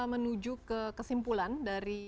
menuju ke kesimpulan dari